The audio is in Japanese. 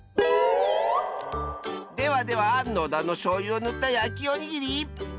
ではでは野田のしょうゆをぬったやきおにぎり。